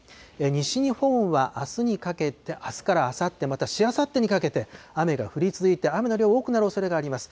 西日本はあすにかけて、あすからあさって、またしあさってにかけて、雨が降り続いて、雨の量、多くなるおそれがあります。